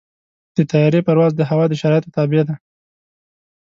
د طیارې پرواز د هوا د شرایطو تابع دی.